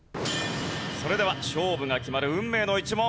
それでは勝負が決まる運命の１問。